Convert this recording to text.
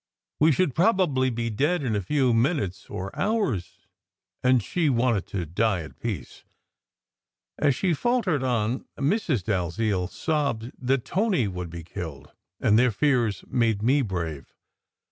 We should probably be dead in a few minutes or hours, and she wanted to die at peace. As she faltered on, Mrs. Dalziel sobbed that Tony would be killed, and their fears made me brave.